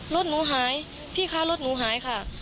รถหนูหายพี่คะรถหนูหายค่ะ